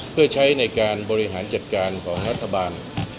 เพื่อใช้ในการบริหารจัดการของรัฐบาล